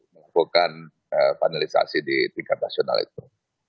melakukan finalisasi di tingkat nasional itu